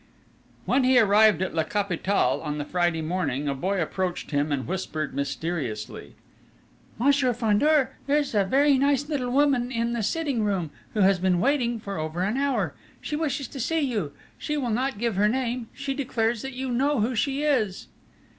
When he arrived at La Capitale on the Friday morning a boy approached him, and whispered mysteriously: "Monsieur Fandor, there's a very nice little woman in the sitting room, who has been waiting for over an hour. She wishes to see you. She will not give her name: she declares that you know who she is."